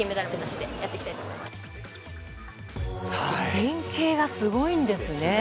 連係がすごいんですね。